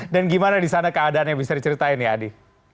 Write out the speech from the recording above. dan gimana di sana keadaannya bisa diceritain ya adi